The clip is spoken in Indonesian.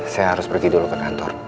saya harus pergi dulu ke kantor